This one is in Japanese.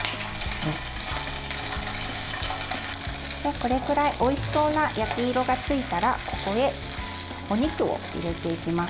これくらいおいしそうな焼き色がついたらここへお肉を入れていきます。